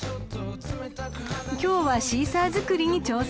［今日はシーサー作りに挑戦です］